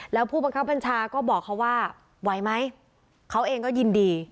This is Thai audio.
แล้วผู้บังคับบัญชาก็บอกเขาว่าไหวไหมเขาเองก็ยินดี